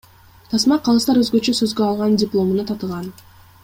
Тасма Калыстар өзгөчө сөзгө алган дипломуна татыган.